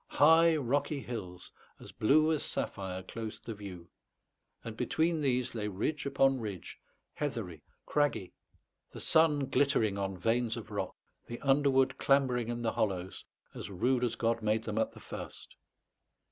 High rocky hills, as blue as sapphire, closed the view, and between these lay ridge upon ridge, heathery, craggy, the sun glittering on veins of rock, the underwood clambering in the hollows, as rude as God made them at the first.